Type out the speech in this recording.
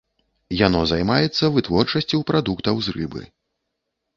Яно займаецца вытворчасцю прадуктаў з рыбы.